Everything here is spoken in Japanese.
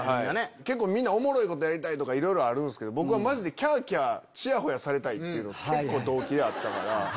みんなおもろいことやりたいとかあるんすけど僕はマジでキャキャチヤホヤされたいっていう動機であったから。